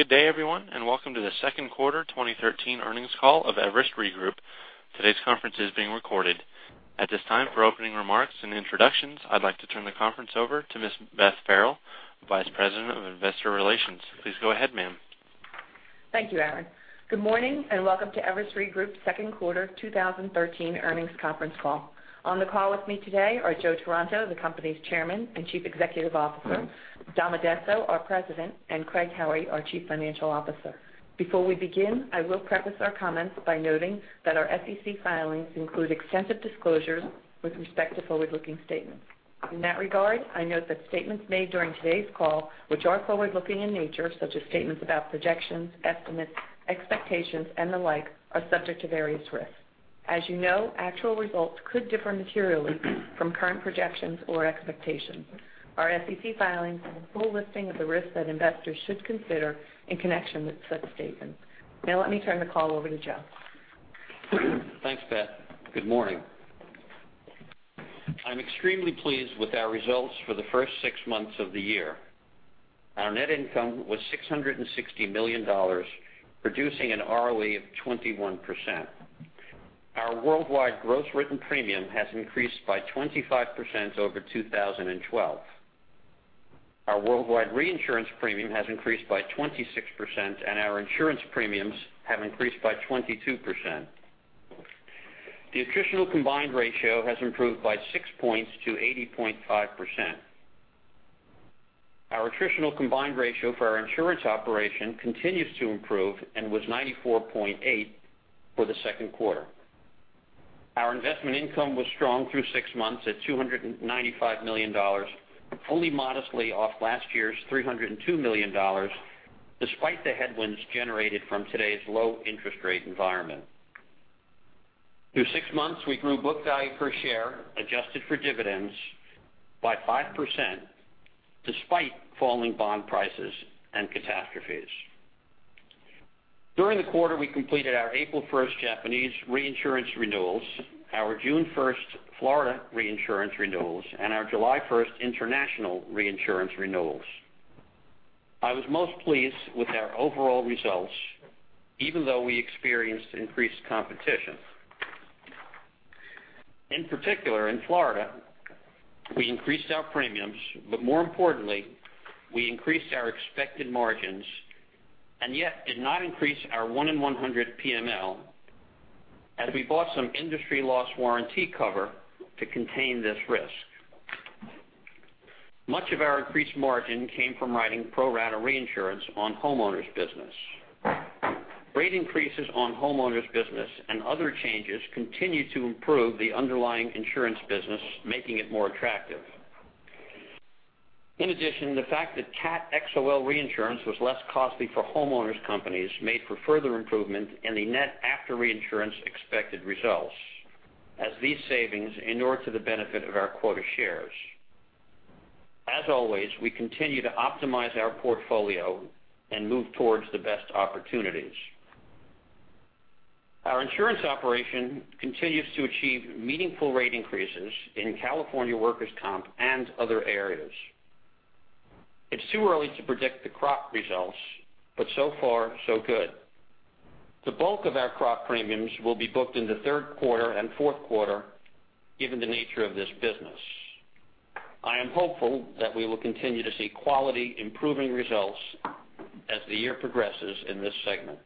Good day, everyone, welcome to the second quarter 2013 earnings call of Everest Re Group. Today's conference is being recorded. At this time, for opening remarks and introductions, I'd like to turn the conference over to Ms. Beth Farrell, Vice President, Investor Relations. Please go ahead, ma'am. Thank you, Aaron. Good morning and welcome to Everest Re Group second quarter 2013 earnings conference call. On the call with me today are Joe Taranto, the company's Chairman and Chief Executive Officer, Dom Addesso, our President, and Craig Howie, our Chief Financial Officer. Before we begin, I will preface our comments by noting that our SEC filings include extensive disclosures with respect to forward-looking statements. In that regard, I note that statements made during today's call, which are forward-looking in nature, such as statements about projections, estimates, expectations and the like, are subject to various risks. As you know, actual results could differ materially from current projections or expectations. Our SEC filings have a full listing of the risks that investors should consider in connection with such statements. Let me turn the call over to Joe. Thanks, Beth. Good morning. I'm extremely pleased with our results for the first six months of the year. Our net income was $660 million, producing an ROE of 21%. Our worldwide gross written premium has increased by 25% over 2012. Our worldwide reinsurance premium has increased by 26%, and our insurance premiums have increased by 22%. The attritional combined ratio has improved by six points to 80.5%. Our attritional combined ratio for our insurance operation continues to improve and was 94.8% for the second quarter. Our investment income was strong through six months at $295 million, only modestly off last year's $302 million, despite the headwinds generated from today's low interest rate environment. Through six months, we grew book value per share, adjusted for dividends, by 5%, despite falling bond prices and catastrophes. During the quarter, we completed our April 1st Japanese reinsurance renewals, our June 1st Florida reinsurance renewals, and our July 1st international reinsurance renewals. I was most pleased with our overall results, even though we experienced increased competition. In particular, in Florida, we increased our premiums, but more importantly, we increased our expected margins and yet did not increase our one in 100 PML, as we bought some industry loss warranty cover to contain this risk. Much of our increased margin came from writing pro-rata reinsurance on homeowners business. Rate increases on homeowners business and other changes continue to improve the underlying insurance business, making it more attractive. In addition, the fact that cat XOL reinsurance was less costly for homeowners companies made for further improvement in the net after reinsurance expected results, as these savings inure to the benefit of our quota shares. As always, we continue to optimize our portfolio and move towards the best opportunities. Our insurance operation continues to achieve meaningful rate increases in California workers' comp and other areas. It's too early to predict the crop results, but so far, so good. The bulk of our crop premiums will be booked in the third quarter and fourth quarter, given the nature of this business. I am hopeful that we will continue to see quality improving results as the year progresses in this segment.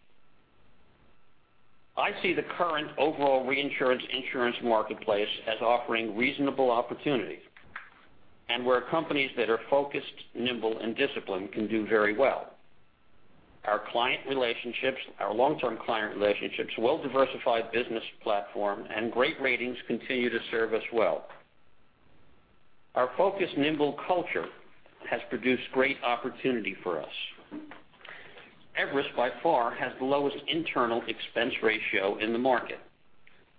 I see the current overall reinsurance insurance marketplace as offering reasonable opportunity and where companies that are focused, nimble and disciplined can do very well. Our long-term client relationships, well diversified business platform, and great ratings continue to serve us well. Our focused, nimble culture has produced great opportunity for us. Everest, by far, has the lowest internal expense ratio in the market.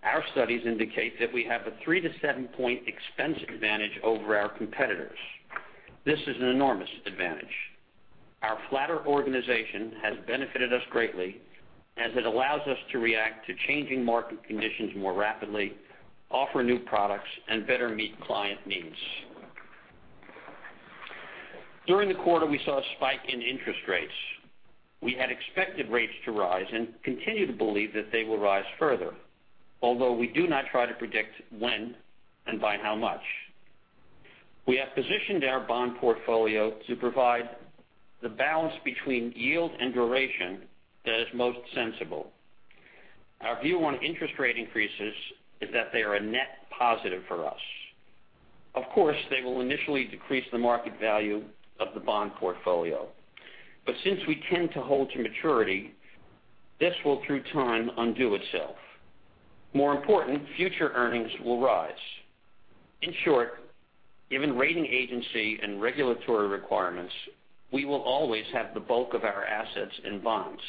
Our studies indicate that we have a three to seven point expense advantage over our competitors. This is an enormous advantage. Our flatter organization has benefited us greatly, as it allows us to react to changing market conditions more rapidly, offer new products, and better meet client needs. During the quarter, we saw a spike in interest rates. We had expected rates to rise and continue to believe that they will rise further. Although we do not try to predict when and by how much. We have positioned our bond portfolio to provide the balance between yield and duration that is most sensible. Our view on interest rate increases is that they are a net positive for us. Of course, they will initially decrease the market value of the bond portfolio. Since we tend to hold to maturity, this will through time undo itself. More important, future earnings will rise. In short, given rating agency and regulatory requirements, we will always have the bulk of our assets in bonds,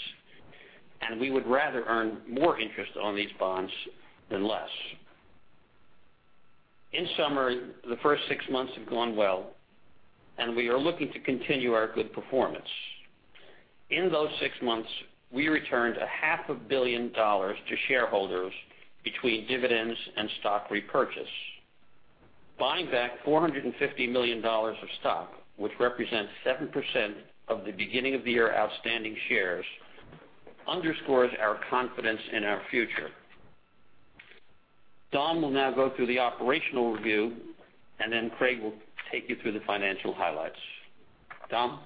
and we would rather earn more interest on these bonds than less. In summary, the first six months have gone well, and we are looking to continue our good performance. In those six months, we returned a half a billion dollars to shareholders between dividends and stock repurchase. Buying back $450 million of stock, which represents 7% of the beginning of the year outstanding shares, underscores our confidence in our future. Don will now go through the operational review, and then Craig will take you through the financial highlights. Don?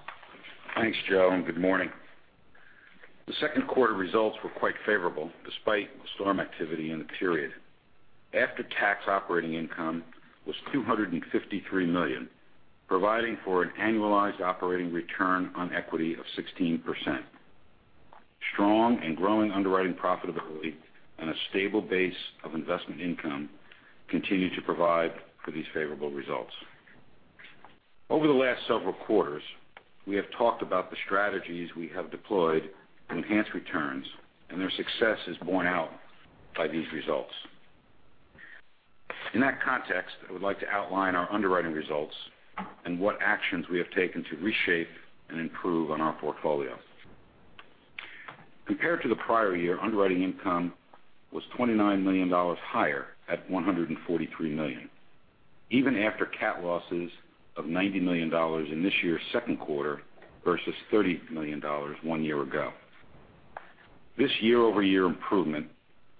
Thanks, Joe, and good morning. The second quarter results were quite favorable despite the storm activity in the period. After-tax operating income was $253 million, providing for an annualized operating return on equity of 16%. Strong and growing underwriting profitability and a stable base of investment income continue to provide for these favorable results. Over the last several quarters, we have talked about the strategies we have deployed to enhance returns. Their success is borne out by these results. In that context, I would like to outline our underwriting results and what actions we have taken to reshape and improve on our portfolio. Compared to the prior year, underwriting income was $29 million higher at $143 million. Even after cat losses of $90 million in this year's second quarter versus $30 million one year ago. This year-over-year improvement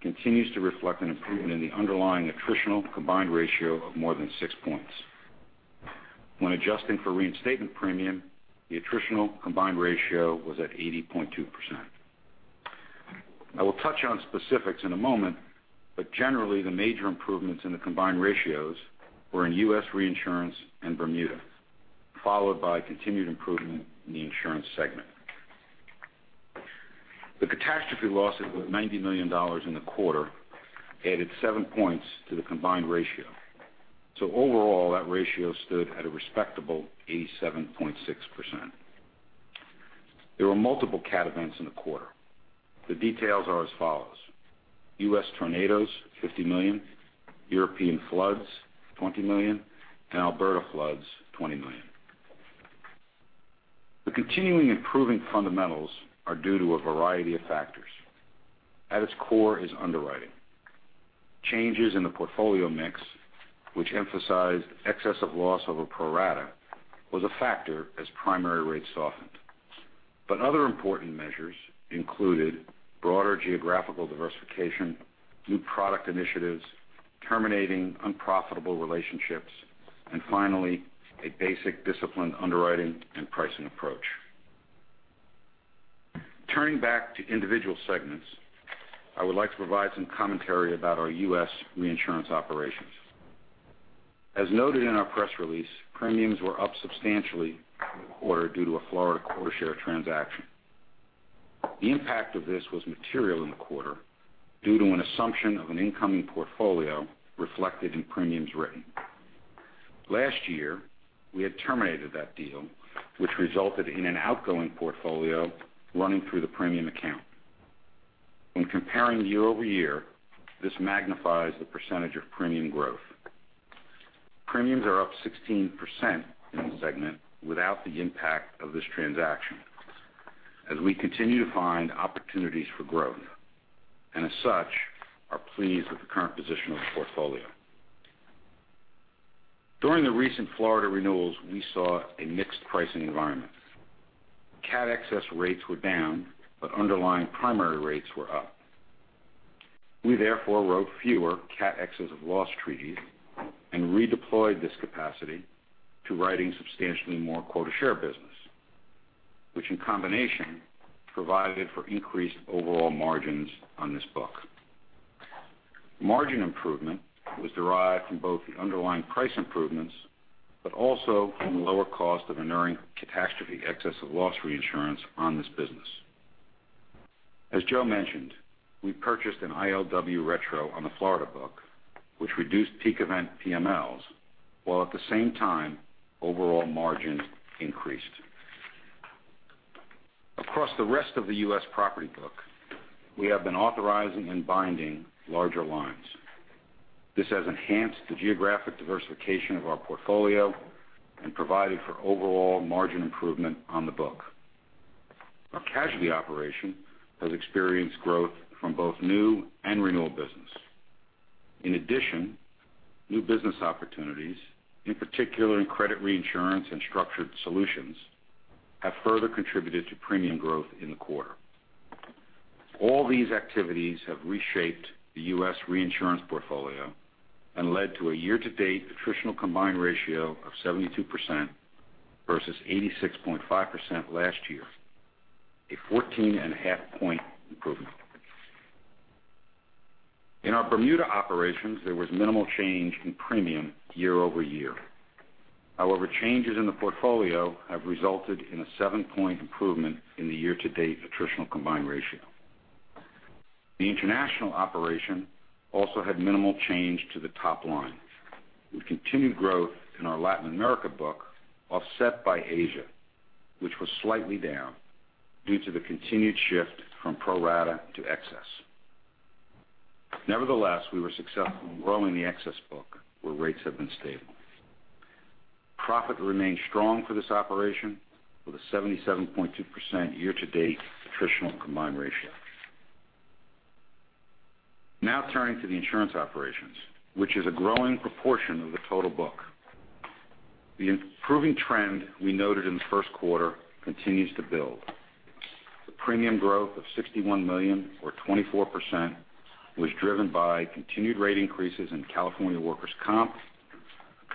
continues to reflect an improvement in the underlying attritional combined ratio of more than 6 points. When adjusting for reinstatement premium, the attritional combined ratio was at 80.2%. I will touch on specifics in a moment, generally, the major improvements in the combined ratios were in U.S. reinsurance and Bermuda, followed by continued improvement in the insurance segment. The catastrophe losses of $90 million in the quarter added 7 points to the combined ratio. Overall, that ratio stood at a respectable 87.6%. There were multiple cat events in the quarter. The details are as follows: U.S. tornadoes, $50 million; European floods, $20 million; and Alberta floods, $20 million. The continuing improving fundamentals are due to a variety of factors. At its core is underwriting. Changes in the portfolio mix, which emphasized excess of loss over pro-rata, was a factor as primary rates softened. Other important measures included broader geographical diversification, new product initiatives, terminating unprofitable relationships, and finally, a basic disciplined underwriting and pricing approach. Turning back to individual segments, I would like to provide some commentary about our U.S. reinsurance operations. As noted in our press release, premiums were up substantially in the quarter due to a Florida quota share transaction. The impact of this was material in the quarter due to an assumption of an incoming portfolio reflected in premiums written. Last year, we had terminated that deal, which resulted in an outgoing portfolio running through the premium account. In comparing year-over-year, this magnifies the percentage of premium growth. Premiums are up 16% in the segment without the impact of this transaction as we continue to find opportunities for growth, and as such, are pleased with the current position of the portfolio. During the recent Florida renewals, we saw a mixed pricing environment. Cat excess rates were down, underlying primary rates were up. We therefore wrote fewer cat excess of loss treaties and redeployed this capacity to writing substantially more quota share business, which in combination provided for increased overall margins on this book. Margin improvement was derived from both the underlying price improvements, but also from the lower cost of enduring catastrophe excess of loss reinsurance on this business. As Joe mentioned, we purchased an ILW retro on the Florida book, which reduced peak event PMLs, while at the same time overall margin increased. Across the rest of the U.S. property book, we have been authorizing and binding larger lines. This has enhanced the geographic diversification of our portfolio and provided for overall margin improvement on the book. Our casualty operation has experienced growth from both new and renewal business. In addition, new business opportunities, in particular in credit reinsurance and structured solutions, have further contributed to premium growth in the quarter. All these activities have reshaped the U.S. reinsurance portfolio and led to a year-to-date attritional combined ratio of 72% versus 86.5% last year, a 14 and a half point improvement. In our Bermuda operations, there was minimal change in premium year-over-year. However, changes in the portfolio have resulted in a 7-point improvement in the year-to-date attritional combined ratio. The international operation also had minimal change to the top line, with continued growth in our Latin America book offset by Asia, which was slightly down due to the continued shift from pro-rata to excess. Nevertheless, we were successful in growing the excess book, where rates have been stable. Profit remained strong for this operation with a 77.2% year-to-date attritional combined ratio. Now turning to the insurance operations, which is a growing proportion of the total book. The improving trend we noted in the first quarter continues to build. The premium growth of $61 million, or 24%, was driven by continued rate increases in California workers' compensation,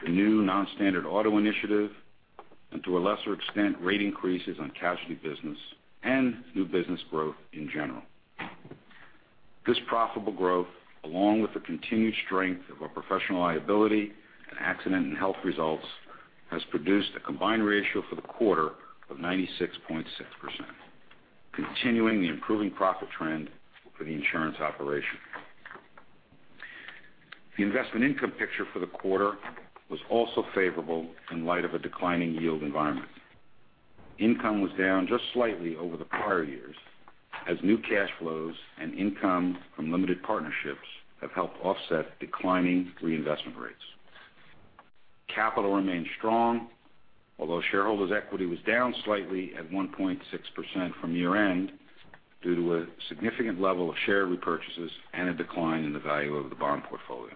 the new non-standard auto initiative, and to a lesser extent, rate increases on casualty business and new business growth in general. This profitable growth, along with the continued strength of our professional liability and accident and health results, has produced a combined ratio for the quarter of 96.6%, continuing the improving profit trend for the insurance operation. The investment income picture for the quarter was also favorable in light of a declining yield environment. Income was down just slightly over the prior years, as new cash flows and income from limited partnerships have helped offset declining reinvestment rates. Capital remained strong, although shareholders' equity was down slightly at 1.6% from year-end due to a significant level of share repurchases and a decline in the value of the bond portfolio.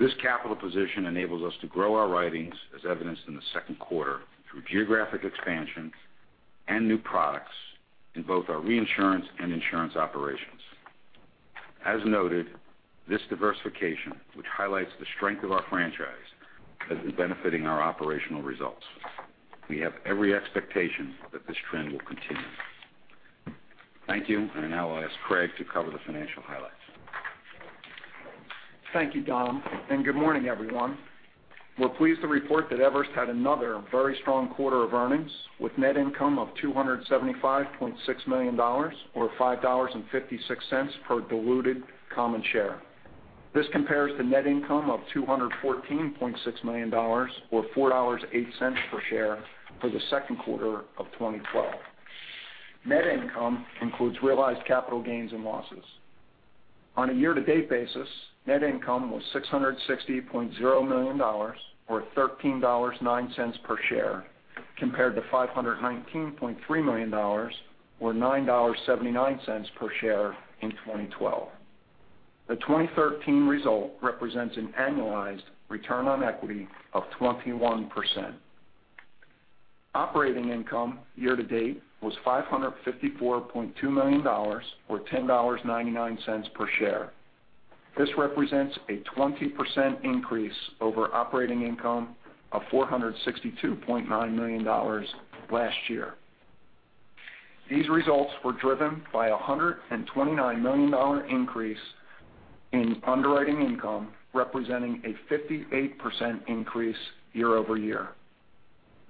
This capital position enables us to grow our writings, as evidenced in the second quarter, through geographic expansion and new products in both our reinsurance and insurance operations. As noted, this diversification, which highlights the strength of our franchise, has been benefiting our operational results. We have every expectation that this trend will continue. Thank you. I now ask Craig to cover the financial highlights. Thank you, Don, and good morning, everyone. We're pleased to report that Everest had another very strong quarter of earnings, with net income of $275.6 million, or $5.56 per diluted common share. This compares to net income of $214.6 million, or $4.08 per share for the second quarter of 2012. Net income includes realized capital gains and losses. On a year-to-date basis, net income was $660.0 million, or $13.09 per share, compared to $519.3 million, or $9.79 per share in 2012. The 2013 result represents an annualized return on equity of 21%. Operating income year-to-date was $554.2 million, or $10.99 per share. This represents a 20% increase over operating income of $462.9 million last year. These results were driven by $129 million increase in underwriting income, representing a 58% increase year-over-year.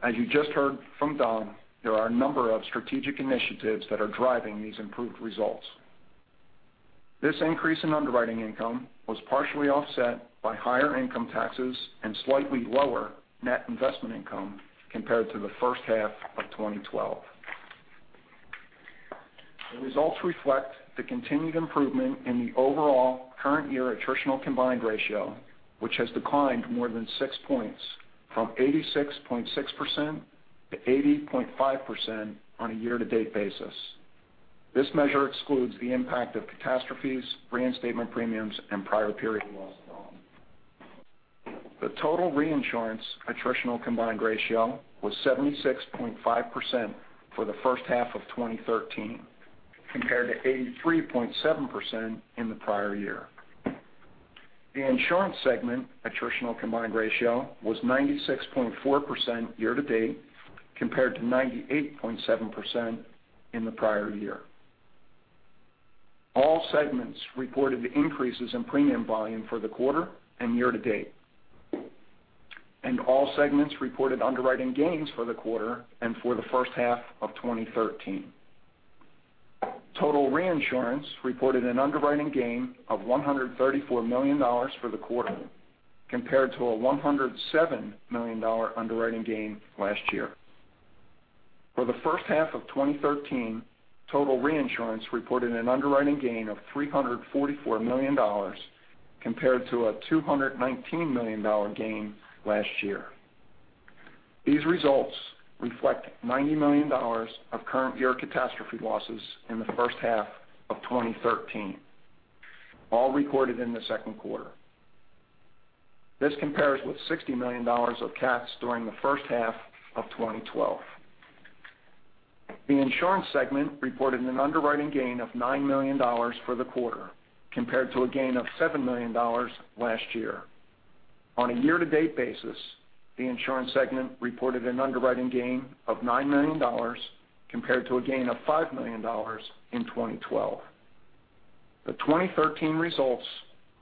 As you just heard from Don, there are a number of strategic initiatives that are driving these improved results. This increase in underwriting income was partially offset by higher income taxes and slightly lower net investment income compared to the first half of 2012. The results reflect the continued improvement in the overall current year attritional combined ratio, which has declined more than 6 points, from 86.6% to 80.5% on a year-to-date basis. This measure excludes the impact of catastrophes, reinstatement premiums, and prior period loss. The total reinsurance attritional combined ratio was 76.5% for the first half of 2013, compared to 83.7% in the prior year. The insurance segment attritional combined ratio was 96.4% year-to-date, compared to 98.7% in the prior year. All segments reported increases in premium volume for the quarter and year-to-date. All segments reported underwriting gains for the quarter and for the first half of 2013. Total reinsurance reported an underwriting gain of $134 million for the quarter, compared to a $107 million underwriting gain last year. For the first half of 2013, total reinsurance reported an underwriting gain of $344 million, compared to a $219 million gain last year. These results reflect $90 million of current year catastrophe losses in the first half of 2013, all recorded in the second quarter. This compares with $60 million of cats during the first half of 2012. The insurance segment reported an underwriting gain of $9 million for the quarter, compared to a gain of $7 million last year. On a year-to-date basis, the insurance segment reported an underwriting gain of $9 million, compared to a gain of $5 million in 2012. The 2013 results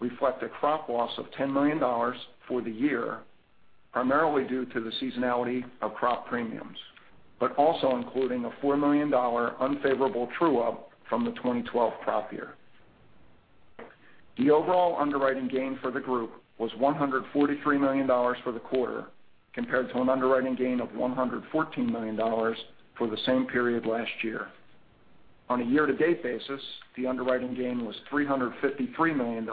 reflect a crop loss of $10 million for the year, primarily due to the seasonality of crop premiums, but also including a $4 million unfavorable true-up from the 2012 crop year. The overall underwriting gain for the group was $143 million for the quarter, compared to an underwriting gain of $114 million for the same period last year. On a year-to-date basis, the underwriting gain was $353 million,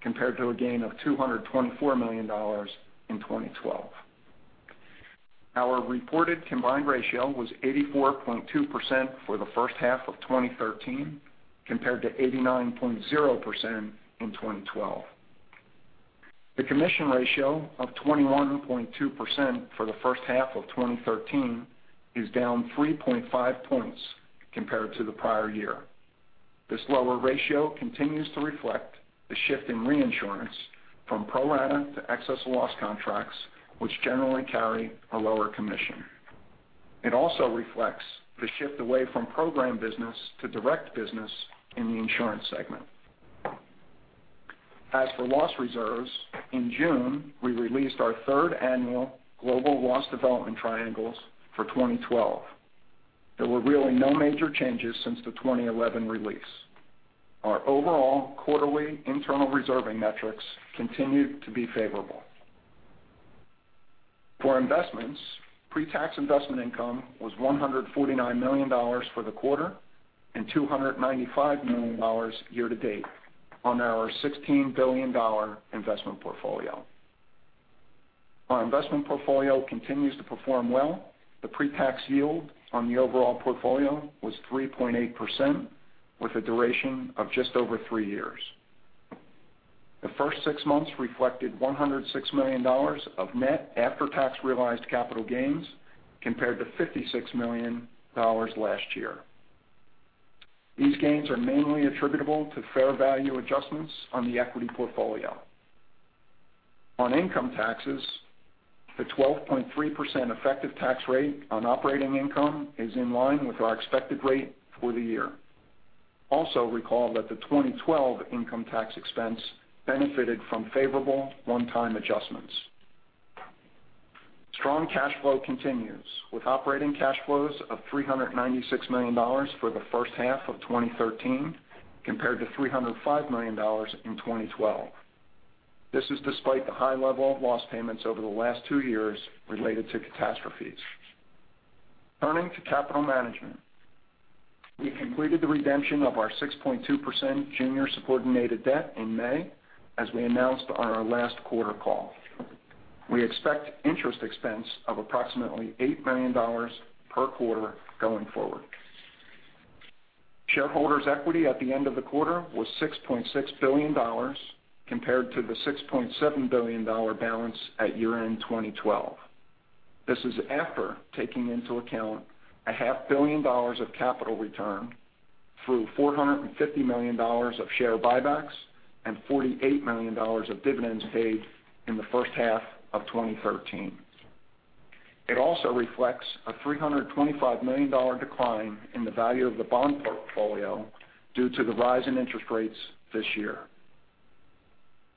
compared to a gain of $224 million in 2012. Our reported combined ratio was 84.2% for the first half of 2013, compared to 89.0% in 2012. The commission ratio of 21.2% for the first half of 2013 is down 3.5 points compared to the prior year. This lower ratio continues to reflect the shift in reinsurance from pro-rata to excess loss contracts, which generally carry a lower commission. It also reflects the shift away from program business to direct business in the insurance segment. As for loss reserves, in June, we released our third annual global loss development triangles for 2012. There were really no major changes since the 2011 release. Our overall quarterly internal reserving metrics continued to be favorable. For investments, pre-tax investment income was $149 million for the quarter and $295 million year-to-date on our $16 billion investment portfolio. Our investment portfolio continues to perform well. The pre-tax yield on the overall portfolio was 3.8%, with a duration of just over three years. The first six months reflected $106 million of net after-tax realized capital gains, compared to $56 million last year. These gains are mainly attributable to fair value adjustments on the equity portfolio. Income taxes, the 12.3% effective tax rate on operating income is in line with our expected rate for the year. Also recall that the 2012 income tax expense benefited from favorable one-time adjustments. Strong cash flow continues, with operating cash flows of $396 million for the first half of 2013, compared to $305 million in 2012. This is despite the high level of loss payments over the last two years related to catastrophes. Turning to capital management, we completed the redemption of our 6.2% junior subordinated debt in May, as we announced on our last quarter call. We expect interest expense of approximately $8 million per quarter going forward. Shareholders' equity at the end of the quarter was $6.6 billion, compared to the $6.7 billion balance at year-end 2012. This is after taking into account a half billion dollars of capital return through $450 million of share buybacks and $48 million of dividends paid in the first half of 2013. It also reflects a $325 million decline in the value of the bond portfolio due to the rise in interest rates this year.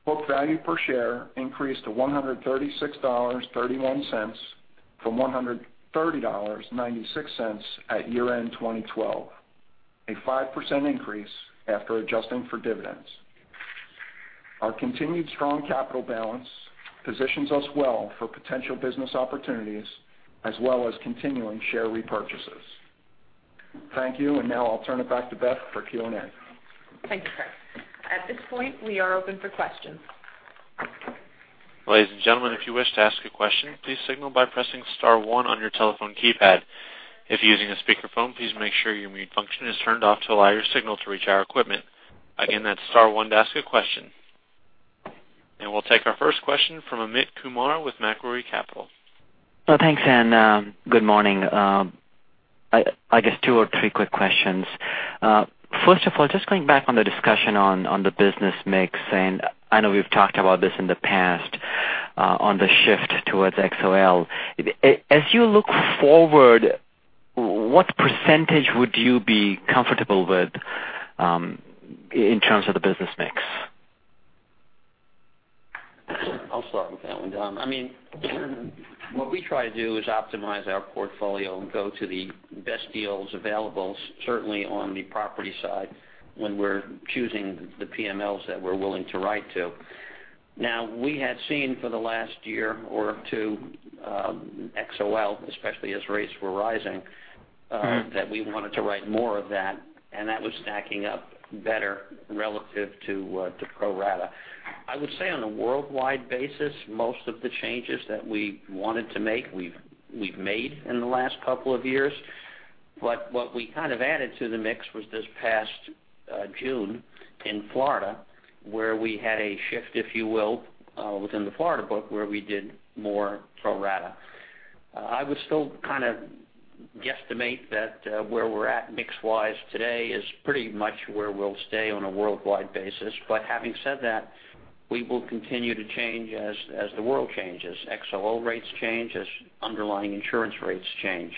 Book value per share increased to $136.31 from $130.96 at year-end 2012, a 5% increase after adjusting for dividends. Our continued strong capital balance positions us well for potential business opportunities, as well as continuing share repurchases. Thank you. Now I'll turn it back to Beth for Q&A. Thank you, Craig. At this point, we are open for questions. Ladies and gentlemen, if you wish to ask a question, please signal by pressing *1 on your telephone keypad. If you're using a speakerphone, please make sure your mute function is turned off to allow your signal to reach our equipment. Again, that's *1 to ask a question. We'll take our first question from Amit Kumar with Macquarie Capital. Thanks. Good morning. I guess two or three quick questions. First of all, just going back on the discussion on the business mix, and I know we've talked about this in the past on the shift towards XOL. As you look forward, what percentage would you be comfortable with in terms of the business mix? I'll start with that one, Dom. What we try to do is optimize our portfolio and go to the best deals available, certainly on the property side when we're choosing the PMLs that we're willing to write to. We had seen for the last year or two, XOL, especially as rates were rising, that we wanted to write more of that, and that was stacking up better relative to pro-rata. I would say on a worldwide basis, most of the changes that we wanted to make, we've made in the last couple of years. What we kind of added to the mix was this past June in Florida, where we had a shift, if you will, within the Florida book, where we did more pro-rata. I would still guesstimate that where we're at mix-wise today is pretty much where we'll stay on a worldwide basis. Having said that, we will continue to change as the world changes, XOL rates change, as underlying insurance rates change.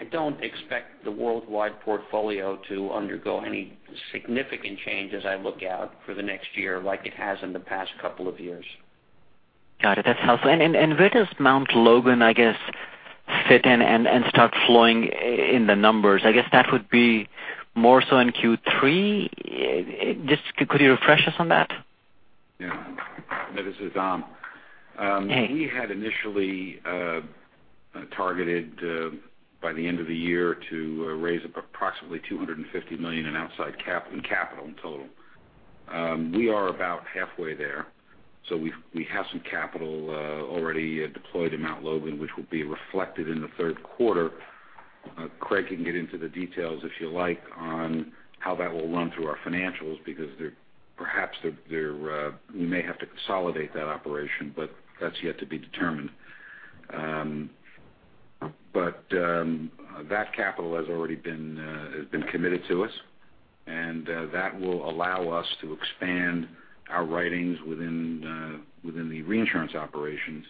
I don't expect the worldwide portfolio to undergo any significant change as I look out for the next year like it has in the past couple of years. Got it. That's helpful. Where does Mount Logan, I guess, fit in and start flowing in the numbers? I guess that would be more so in Q3. Just could you refresh us on that? Yeah. This is Dom. Hey. We had initially targeted by the end of the year to raise approximately $250 million in outside capital in total. We are about halfway there. We have some capital already deployed in Mt. Logan Re, which will be reflected in the third quarter. Craig can get into the details, if you like, on how that will run through our financials, because perhaps we may have to consolidate that operation, but that's yet to be determined. That capital has already been committed to us, and that will allow us to expand our writings within the reinsurance operations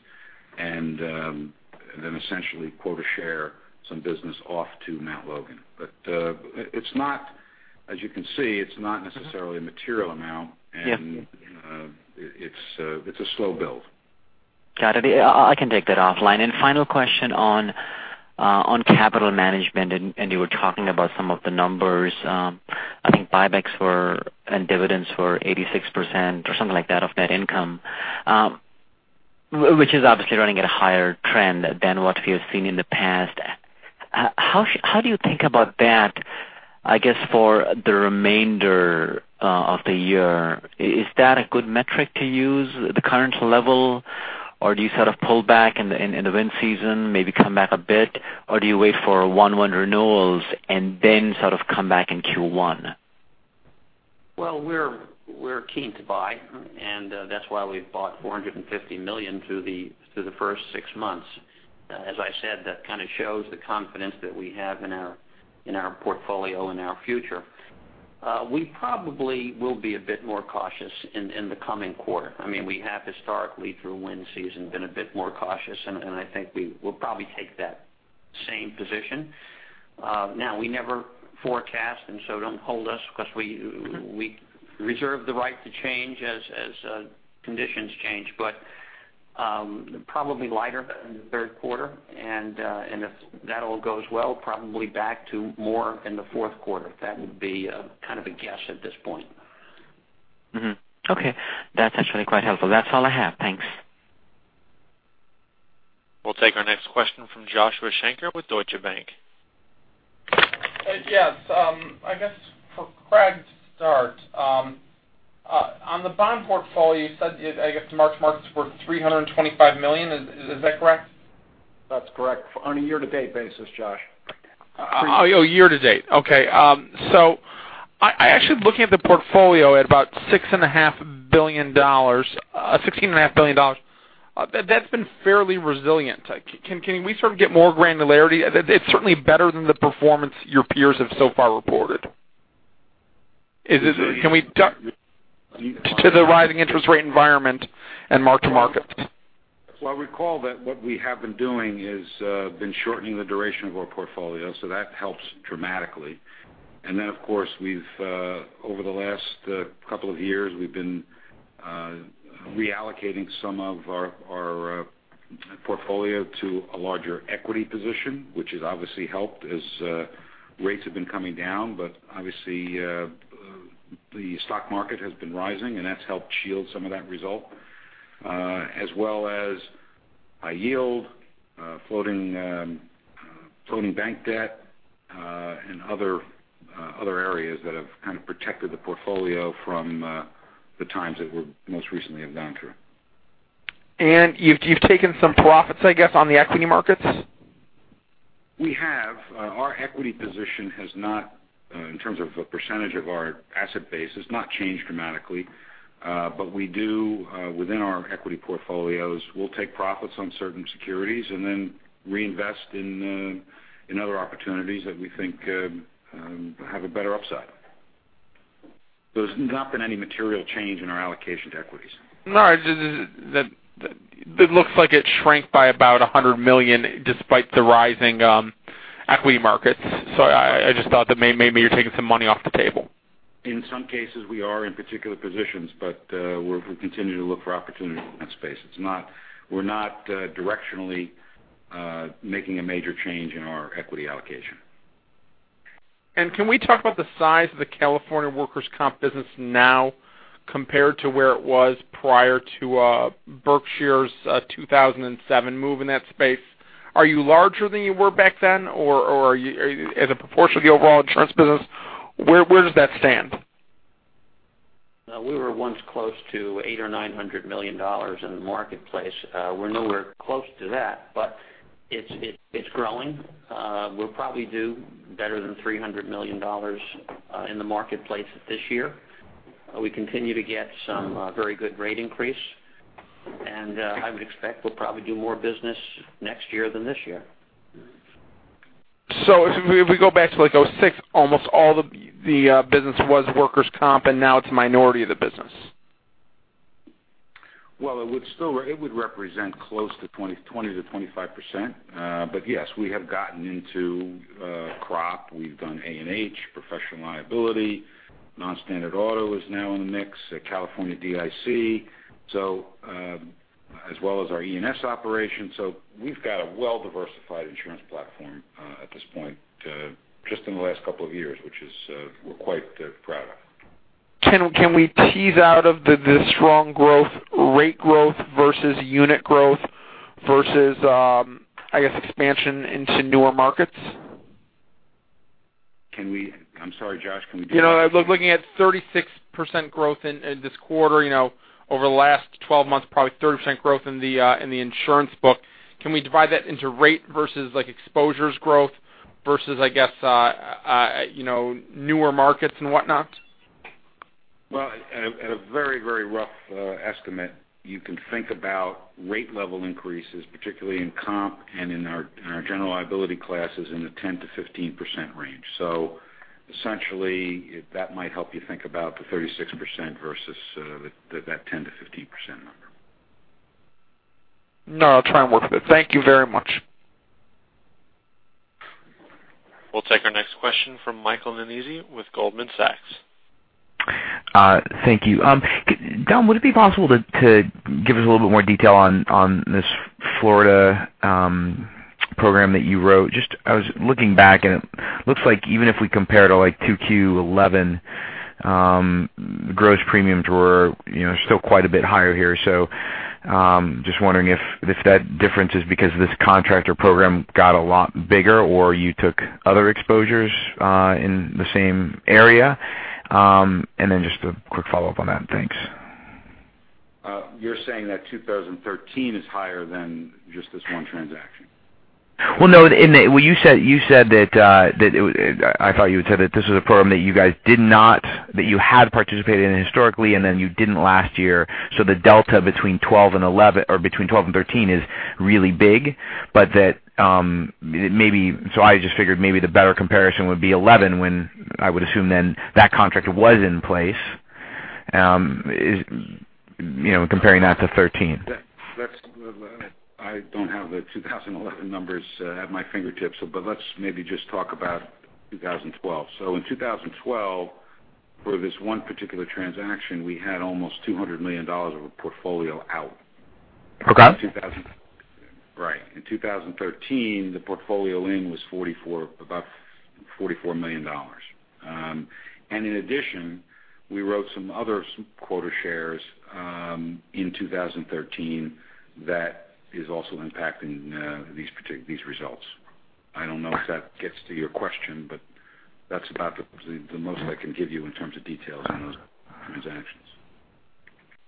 and then essentially quota share some business off to Mt. Logan Re. As you can see, it's not necessarily a material amount. Yeah. It's a slow build. Got it. I can take that offline. Final question on capital management, and you were talking about some of the numbers. I think buybacks and dividends were 86%, or something like that, of net income, which is obviously running at a higher trend than what we have seen in the past. How do you think about that, I guess, for the remainder of the year? Is that a good metric to use, the current level? Or do you sort of pull back in the wind season, maybe come back a bit? Or do you wait for 1/1 renewals and then sort of come back in Q1? Well, we're keen to buy, and that's why we've bought $450 million through the first six months. As I said, that kind of shows the confidence that we have in our portfolio and our future. We probably will be a bit more cautious in the coming quarter. We have historically, through wind season, been a bit more cautious, and I think we will probably take that same position. Now, we never forecast, so don't hold us, because we reserve the right to change as conditions change, but probably lighter in the third quarter. If that all goes well, probably back to more in the fourth quarter. That would be kind of a guess at this point. Mm-hmm. Okay. That's actually quite helpful. That's all I have. Thanks. We'll take our next question from Joshua Shanker with Deutsche Bank. Yes. I guess for Craig to start, on the bond portfolio, you said, I guess, to mark-to-market's worth $325 million. Is that correct? That's correct. On a year-to-date basis, Josh. Year-to-date. Okay. I actually looking at the portfolio at about $16.5 billion. That's been fairly resilient. Can we sort of get more granularity? It's certainly better than the performance your peers have so far reported. To the rising interest rate environment and mark-to-market. Well, I recall that what we have been doing is been shortening the duration of our portfolio, that helps dramatically. Of course, over the last couple of years, we've been reallocating some of our portfolio to a larger equity position, which has obviously helped as rates have been coming down. Obviously, the stock market has been rising, and that's helped shield some of that result, as well as high yield, floating bank debt, and other areas that have kind of protected the portfolio from the times that we most recently have gone through. You've taken some profits, I guess, on the equity markets? We have. Our equity position, in terms of a percentage of our asset base, has not changed dramatically. Within our equity portfolios, we'll take profits on certain securities and then reinvest in other opportunities that we think have a better upside. There's not been any material change in our allocation to equities. No, it looks like it shrank by about $100 million despite the rising equity markets. I just thought that maybe you're taking some money off the table. In some cases, we are in particular positions, we continue to look for opportunities in that space. We're not directionally making a major change in our equity allocation. Can we talk about the size of the California workers' comp business now compared to where it was prior to Berkshire's 2007 move in that space? Are you larger than you were back then? As a proportion of the overall insurance business, where does that stand? We were once close to $800 or $900 million in the marketplace. We're nowhere close to that, it's growing. We'll probably do better than $300 million in the marketplace this year. We continue to get some very good rate increase, I would expect we'll probably do more business next year than this year. If we go back to 2006, almost all the business was workers' compensation, now it's a minority of the business. Well, it would represent close to 20%-25%. Yes, we have gotten into crop. We've done A&H, professional liability, non-standard auto is now in the mix, California DIC as well as our E&S operation. We've got a well-diversified insurance platform at this point just in the last couple of years, which we're quite proud of. Can we tease out of the strong growth, rate growth versus unit growth versus, I guess, expansion into newer markets? Can we, I'm sorry, Josh. I was looking at 36% growth in this quarter, over the last 12 months, probably 30% growth in the insurance book. Can we divide that into rate versus exposures growth versus, newer markets and whatnot? Well, at a very rough estimate, you can think about rate level increases, particularly in comp and in our general liability classes, in the 10%-15% range. Essentially, that might help you think about the 36% versus that 10%-15% number. No, I'll try and work with it. Thank you very much. We'll take our next question from Michael Nannizzi with Goldman Sachs. Thank you. Dom, would it be possible to give us a little bit more detail on this Florida program that you wrote? I was looking back, and it looks like even if we compare to 2Q 2011, gross premiums were still quite a bit higher here. Just wondering if that difference is because this contractor program got a lot bigger, or you took other exposures in the same area. Just a quick follow-up on that. Thanks. You're saying that 2013 is higher than just this one transaction? Well, no. You said that, I thought you had said that this was a program that you guys did not, that you had participated in historically and then you didn't last year. The delta between 2012 and 2013 is really big. I just figured maybe the better comparison would be 2011 when I would assume then that contract was in place, comparing that to 2013. I don't have the 2011 numbers at my fingertips, but let's maybe just talk about 2012. In 2012, for this one particular transaction, we had almost $200 million of a portfolio out. Okay. Right. In 2013, the portfolio in was above $44 million. In addition, we wrote some other quota shares in 2013 that is also impacting these results. I don't know if that gets to your question, but that's about the most I can give you in terms of details on those transactions.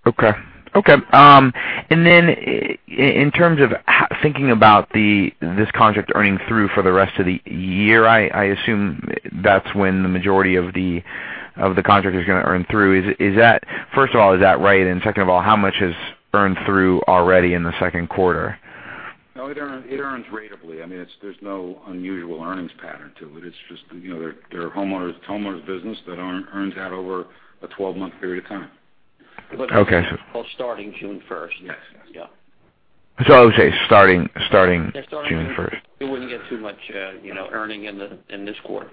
Okay. In terms of thinking about this contract earning through for the rest of the year, I assume that's when the majority of the contract is going to earn through. First of all, is that right? Second of all, how much has earned through already in the second quarter? No, it earns ratably. There's no unusual earnings pattern to it. It's just, they're a homeowner's business that earns out over a 12-month period of time. Okay. Well, starting June 1st. Yes. I would say starting June 1st. They wouldn't get too much earnings in this quarter.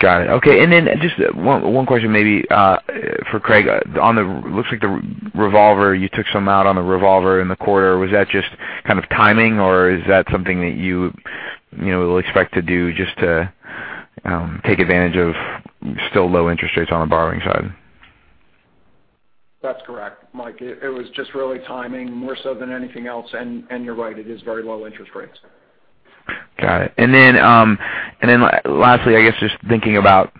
Got it. Okay. Then just one question maybe for Craig. It looks like the revolver, you took some out on the revolver in the quarter. Was that just kind of timing, or is that something that you will expect to do just to take advantage of still low interest rates on the borrowing side? That's correct, Mike. It was just really timing more so than anything else. You're right, it is very low interest rates. Got it. Lastly, I guess just thinking about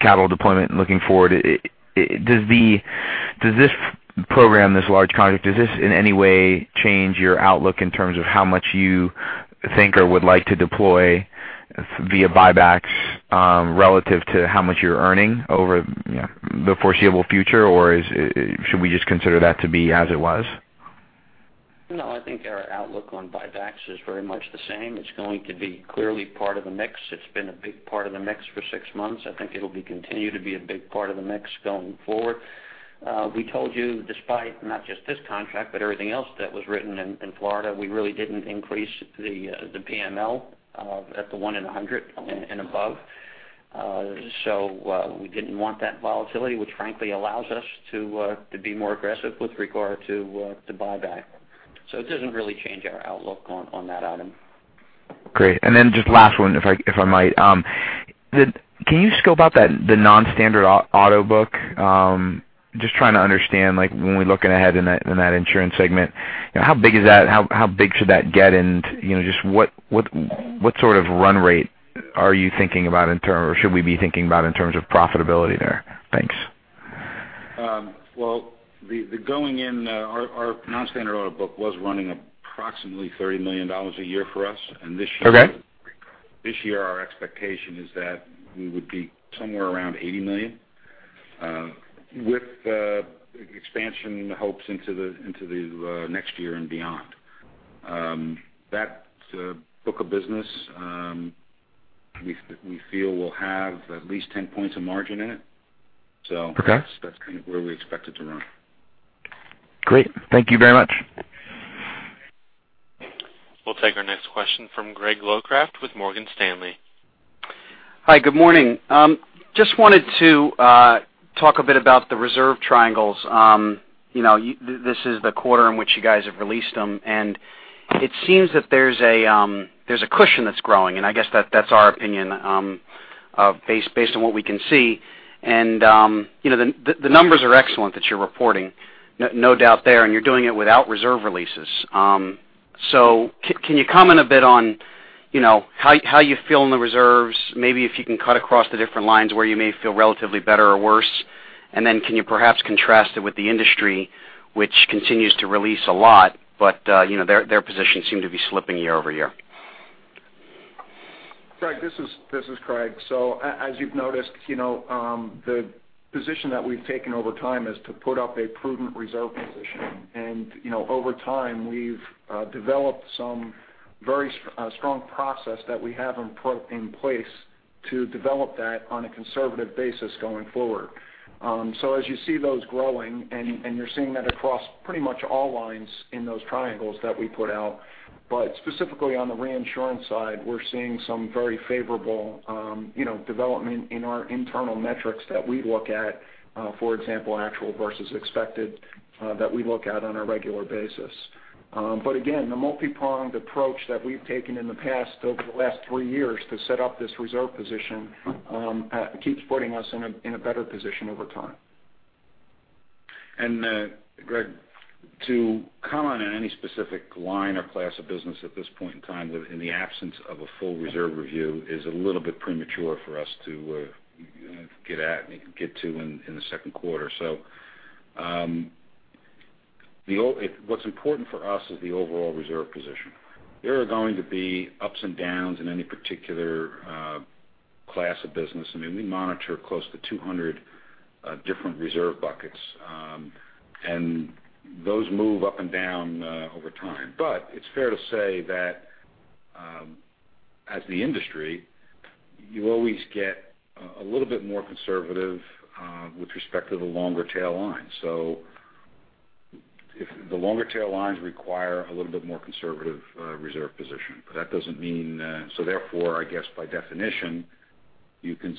capital deployment and looking forward, does this program, this large contract, does this in any way change your outlook in terms of how much you think or would like to deploy via buybacks relative to how much you're earning over the foreseeable future? Should we just consider that to be as it was? No, I think our outlook on buybacks is very much the same. It's going to be clearly part of the mix. It's been a big part of the mix for six months. I think it'll continue to be a big part of the mix going forward. We told you despite not just this contract, but everything else that was written in Florida, we really didn't increase the PML at the one in 100 and above. We didn't want that volatility, which frankly allows us to be more aggressive with regard to buyback. It doesn't really change our outlook on that item. Great. Just last one, if I might. Can you scope out the non-standard auto book? Just trying to understand, when we're looking ahead in that insurance segment, how big is that? How big should that get, and just what sort of run rate are you thinking about, or should we be thinking about in terms of profitability there? Thanks. Well, going in, our non-standard auto book was running approximately $30 million a year for us. Okay. This year, our expectation is that we would be somewhere around $80 million with expansion hopes into the next year and beyond. That book of business we feel will have at least 10 points of margin in it. Okay. That's kind of where we expect it to run. Great. Thank you very much. We'll take our next question from Greg Locraft with Morgan Stanley. Hi, good morning. Just wanted to talk a bit about the reserve triangles. This is the quarter in which you guys have released them, and it seems that there's a cushion that's growing. I guess that's our opinion. Based on what we can see. The numbers are excellent that you're reporting, no doubt there, and you're doing it without reserve releases. Can you comment a bit on how you feel in the reserves? Maybe if you can cut across the different lines where you may feel relatively better or worse, then can you perhaps contrast it with the industry, which continues to release a lot, their positions seem to be slipping year-over-year. Greg, this is Craig. As you've noticed, the position that we've taken over time is to put up a prudent reserve position. Over time, we've developed some very strong process that we have in place to develop that on a conservative basis going forward. As you see those growing, and you're seeing that across pretty much all lines in those triangles that we put out, specifically on the reinsurance side, we're seeing some very favorable development in our internal metrics that we look at for example, actual versus expected, that we look at on a regular basis. Again, the multi-pronged approach that we've taken in the past over the last three years to set up this reserve position keeps putting us in a better position over time. Greg, to comment on any specific line or class of business at this point in time, in the absence of a full reserve review, is a little bit premature for us to get at and get to in the second quarter. What's important for us is the overall reserve position. There are going to be ups and downs in any particular class of business. We monitor close to 200 different reserve buckets, and those move up and down over time. It's fair to say that as the industry, you always get a little bit more conservative with respect to the longer tail lines. If the longer tail lines require a little bit more conservative reserve position. Therefore, I guess by definition, you can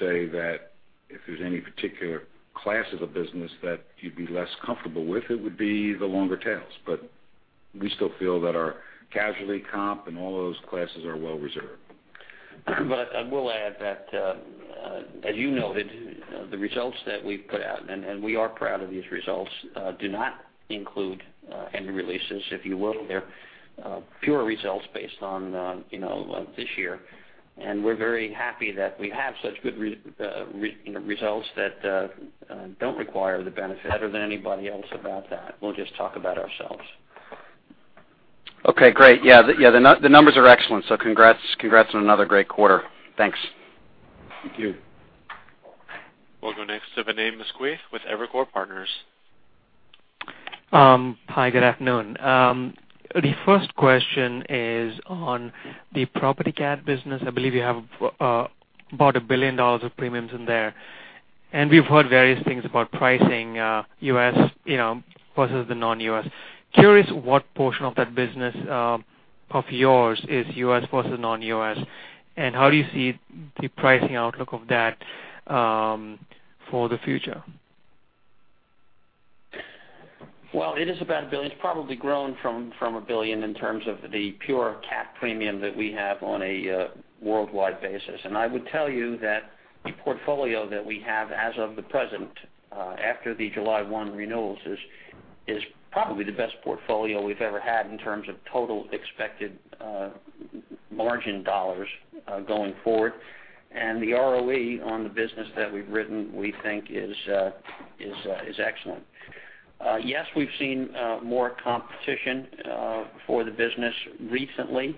say that if there's any particular class of the business that you'd be less comfortable with, it would be the longer tails. We still feel that our casualty comp and all those classes are well reserved. I will add that, as you noted, the results that we've put out, and we are proud of these results, do not include any releases, if you will. They're pure results based on this year. We're very happy that we have such good results that don't require the benefit. We'll just talk about ourselves. Okay, great. Yeah, the numbers are excellent. Congrats on another great quarter. Thanks. Thank you. We'll go next to Vinay Misquith with Evercore Partners. Hi, good afternoon. The first question is on the Property cat business. I believe you have about $1 billion of premiums in there. We've heard various things about pricing U.S. versus the non-U.S. Curious what portion of that business of yours is U.S. versus non-U.S., and how do you see the pricing outlook of that for the future? Well, it is about $1 billion. It's probably grown from $1 billion in terms of the pure cat premium that we have on a worldwide basis. I would tell you that the portfolio that we have as of the present after the July 1 renewals is probably the best portfolio we've ever had in terms of total expected margin dollars going forward. The ROE on the business that we've written, we think is excellent. Yes, we've seen more competition for the business recently,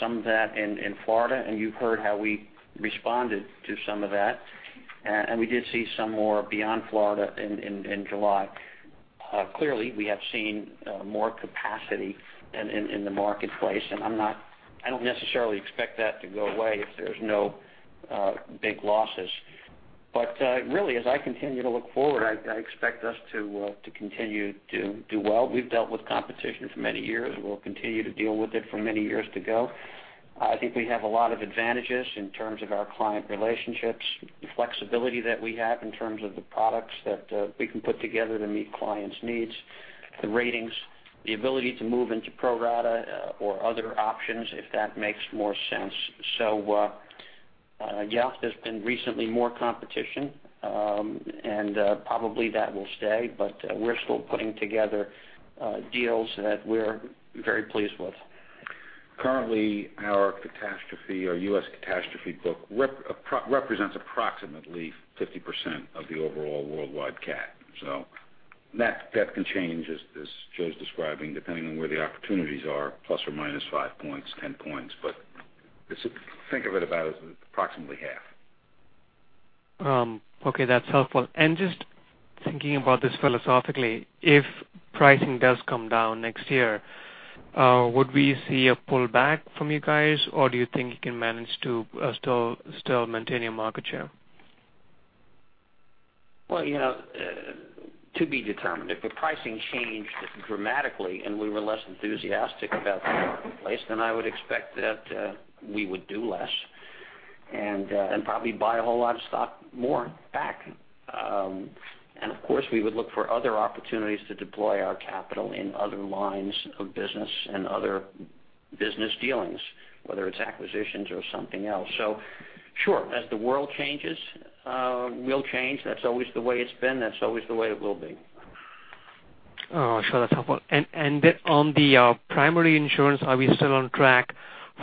some of that in Florida, and you've heard how we responded to some of that. We did see some more beyond Florida in July. Clearly, we have seen more capacity in the marketplace, and I don't necessarily expect that to go away if there's no big losses. Really, as I continue to look forward, I expect us to continue to do well. We've dealt with competition for many years, and we'll continue to deal with it for many years to go. I think we have a lot of advantages in terms of our client relationships, the flexibility that we have in terms of the products that we can put together to meet clients' needs, the ratings, the ability to move into pro-rata or other options, if that makes more sense. Yes, there's been recently more competition, and probably that will stay, but we're still putting together deals that we're very pleased with. Currently, our catastrophe or U.S. catastrophe book represents approximately 50% of the overall worldwide cat. That can change, as Joe's describing, depending on where the opportunities are, plus or minus five points, 10 points. Think of it about as approximately half. Okay, that's helpful. Just thinking about this philosophically, if pricing does come down next year, would we see a pull back from you guys, or do you think you can manage to still maintain your market share? Well to be determined. If the pricing changed dramatically and we were less enthusiastic about the marketplace, I would expect that we would do less and probably buy a whole lot of stock more back. Of course, we would look for other opportunities to deploy our capital in other lines of business and other business dealings, whether it's acquisitions or something else. Sure. As the world changes, we'll change. That's always the way it's been. That's always the way it will be. Sure. That's helpful. On the primary insurance, are we still on track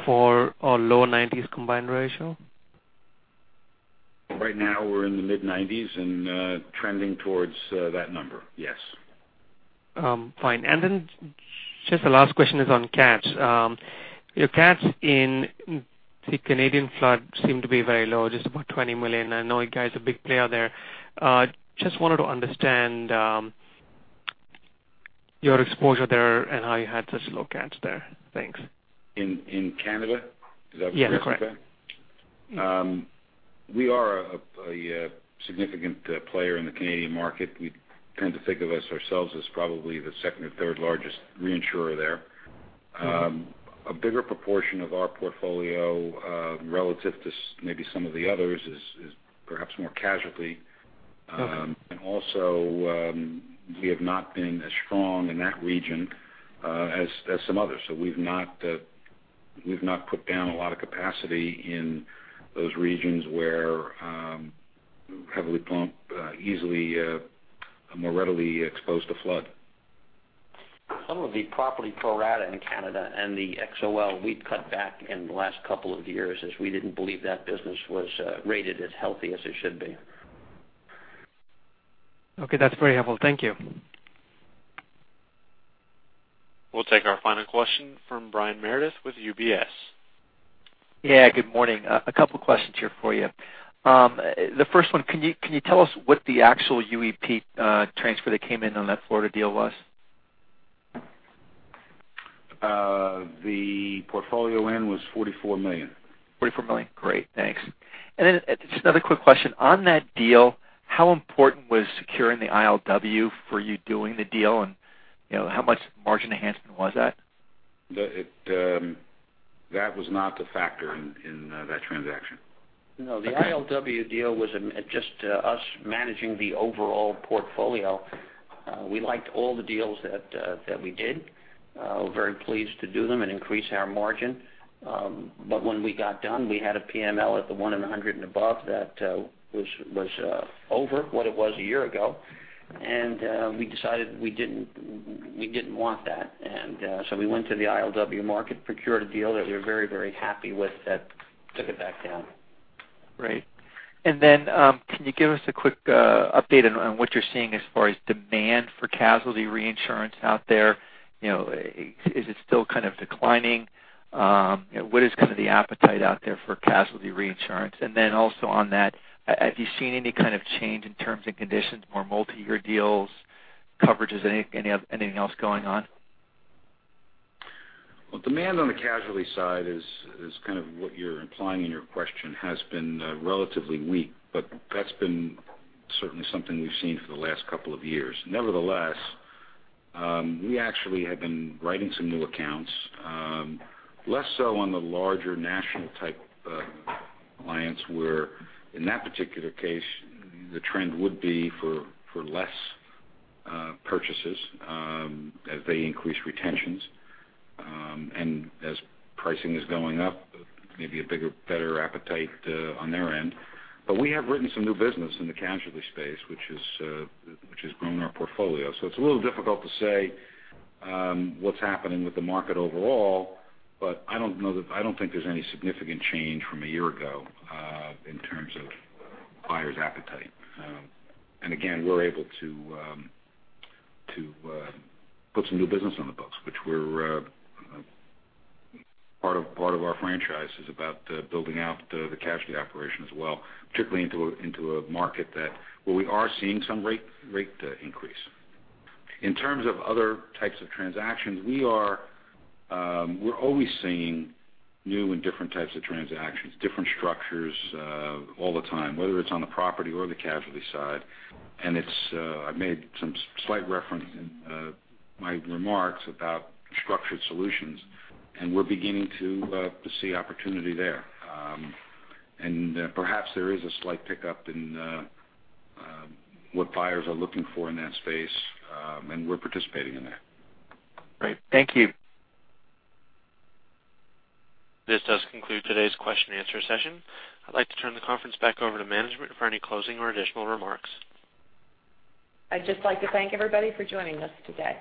for a low nineties combined ratio? Right now we're in the mid nineties and trending towards that number. Yes. Fine. Just the last question is on cats. Your cats in the Canadian flood seem to be very low, just about $20 million. I know you guys are a big player there. Just wanted to understand your exposure there and how you had such low cats there. Thanks. In Canada? Yeah, correct. We are a significant player in the Canadian market. We tend to think of ourselves as probably the second or third largest reinsurer there. A bigger proportion of our portfolio, relative to maybe some of the others, is perhaps more casualty. Okay. Also, we have not been as strong in that region as some others. We've not put down a lot of capacity in those regions where heavily prone, easily more readily exposed to flood. Some of the property pro-rata in Canada and the XOL we've cut back in the last couple of years as we didn't believe that business was rated as healthy as it should be. Okay. That's very helpful. Thank you. We'll take our final question from Brian Meredith with UBS. Yeah, good morning. A couple questions here for you. The first one, can you tell us what the actual UEP transfer that came in on that Florida deal was? The portfolio in was $44 million. $44 million. Great. Thanks. Just another quick question. On that deal, how important was securing the ILW for you doing the deal, and how much margin enhancement was that? That was not the factor in that transaction. The ILW deal was just us managing the overall portfolio. We liked all the deals that we did. Very pleased to do them and increase our margin. When we got done, we had a PML at the one in a hundred and above that was over what it was a year ago. We decided we didn't want that. So we went to the ILW market, procured a deal that we were very, very happy with that took it back down. Great. Can you give us a quick update on what you're seeing as far as demand for casualty reinsurance out there? Is it still kind of declining? What is kind of the appetite out there for casualty reinsurance? Also on that, have you seen any kind of change in terms and conditions, more multi-year deals, coverages, anything else going on? Well, demand on the casualty side is kind of what you're implying in your question, has been relatively weak, but that's been certainly something we've seen for the last couple of years. Nevertheless, we actually have been writing some new accounts. Less so on the larger national type clients, where in that particular case, the trend would be for less purchases, as they increase retentions. As pricing is going up, maybe a bigger, better appetite on their end. We have written some new business in the casualty space, which has grown our portfolio. It's a little difficult to say what's happening with the market overall, but I don't think there's any significant change from a year ago in terms of buyers' appetite. Again, we're able to put some new business on the books, which part of our franchise is about building out the casualty operation as well, particularly into a market where we are seeing some rate increase. In terms of other types of transactions, we're always seeing new and different types of transactions, different structures all the time, whether it's on the property or the casualty side. I made some slight reference in my remarks about structured solutions, and we're beginning to see opportunity there. Perhaps there is a slight pickup in what buyers are looking for in that space, and we're participating in that. Great. Thank you. This does conclude today's question and answer session. I'd like to turn the conference back over to management for any closing or additional remarks. I'd just like to thank everybody for joining us today.